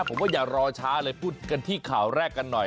ผมว่าอย่ารอช้าเลยพูดกันที่ข่าวแรกกันหน่อย